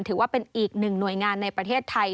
ถือว่าเป็นอีกหนึ่งหน่วยงานในประเทศไทย